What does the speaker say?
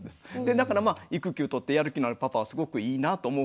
だから育休とってやる気のあるパパはすごくいいなと思う